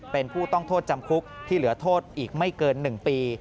เป็นผู้ต้องโทษจำคุกที่เหลือโทษอีกไม่เกิน๑ปี